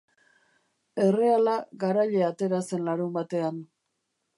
Erreala garaile atera zen larunbatean.